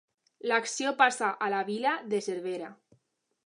L'acció passa a la vila de Cervera.